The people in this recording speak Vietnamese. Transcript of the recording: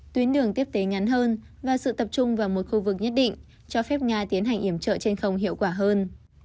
tuyến đường tiếp tế ngắn hơn và sự tập trung vào một khu vực nhất định cho phép nga tiến hành iểm trợ trên không hiệu quả hơn